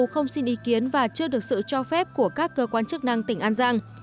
không xin ý kiến và chưa được sự cho phép của các cơ quan chức năng tỉnh an giang